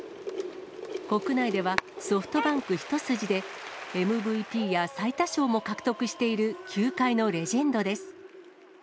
国内ではソフトバンク一筋で、ＭＶＰや最多勝も獲得している球界のレジェンドです。